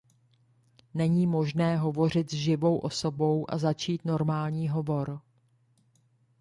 Není možné hovořit s živou osobou a začít normální hovor.